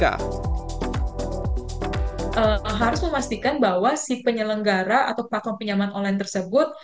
harus memastikan bahwa si penyelenggara atau platform pinjaman online tersebut